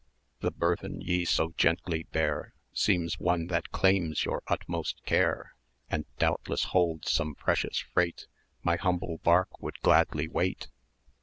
[dk] The burthen ye so gently bear, 360 Seems one that claims your utmost care, And, doubtless, holds some precious freight My humble bark would gladly wait."